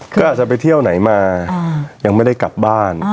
ก็อาจจะไปเที่ยวไหนมายังไม่ได้กลับบ้าน